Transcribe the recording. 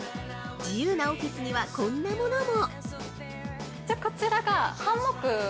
◆自由なオフィスにはこんなものも！